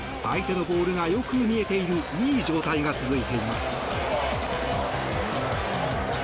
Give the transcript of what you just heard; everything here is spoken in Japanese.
相手のボールがよく見えているいい状態が続いています。